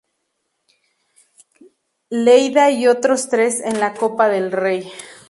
E. Lleida y otros tres en la Copa del Rey.